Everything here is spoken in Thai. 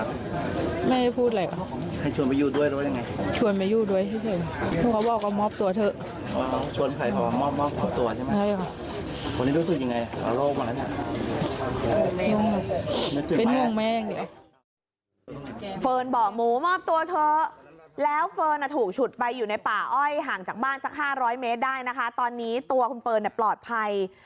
เฟิร์นบอกหมูมอบตัวเถอะแล้วเฟิร์นถูกฉุดไปอยู่ในป่าอ้อยห่างจากบ้านสัก๕๐๐เมตรได้นะคะตอนนี้ตัวคุณเฟิร์นปลอดภัย